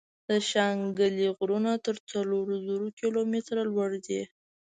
د شانګلې غرونه تر څلور زرو کلو ميتره لوړ دي ـ